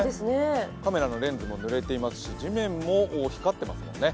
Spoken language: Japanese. カメラのレンズもぬれていますし地面も光っていますね。